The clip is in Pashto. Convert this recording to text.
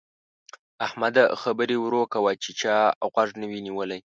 احمده! خبرې ورو کوه چې چا غوږ نه وي نيولی.